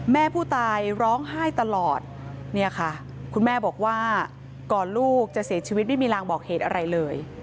แม่ผู้ตายร้องไห้ตลอดเนี่ยค่ะคุณแม่บอกว่าก่อนลูกจะเสียชีวิตไม่มีรางบอกเหตุอะไรเลย